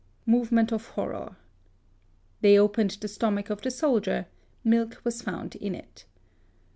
(Movement of horror.) They opened the stomach of the soldier. Milk was found in it.